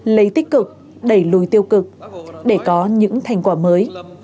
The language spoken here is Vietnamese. lấy tích cực đẩy lùi tiêu cực để có những thành quả mới